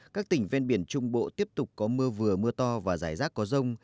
các tỉnh ven biển trung bộ tiếp tục có mưa vừa mưa to và rải rác có rông